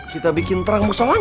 kita bikin terang mushollahnya